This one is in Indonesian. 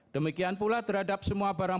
demikian pula terhadap semua barang